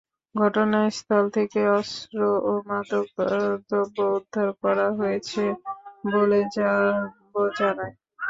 ঘটনাস্থল থেকে অস্ত্র ও মাদকদ্রব্য উদ্ধার করা হয়েছে বলে র্যাব জানায়।